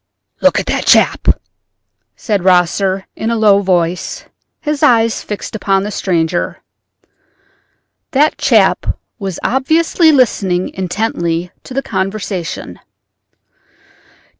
"Look at that chap!" said Rosser in a low voice, his eyes fixed upon the stranger. That chap was obviously listening intently to the conversation.